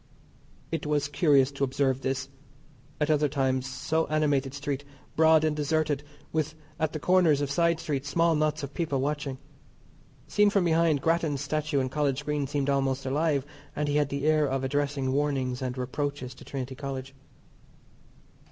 It was curious to observe this, at other times, so animated street, broad and deserted, with at the corners of side streets small knots of people watching. Seen from behind, Grattan's Statue in College Green seemed almost alive, and he had the air of addressing warnings and reproaches to Trinity College.